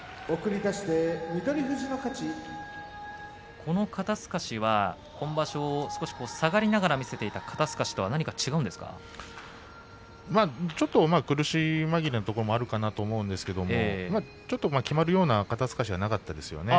この肩すかしは今場所下がりながら見せていた肩すかしとは何ちょっと苦し紛れのところもあるかなと思うんですけれどもちょっときまるような肩すかしじゃなかったんですよね。